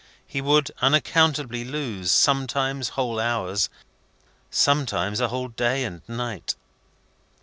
He would unaccountably lose, sometimes whole hours, sometimes a whole day and night.